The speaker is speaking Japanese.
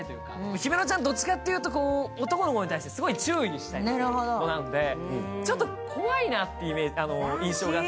姫乃ちゃん、どっちかというと男の子に対して強い子でちょっと怖いなっていう印象があって。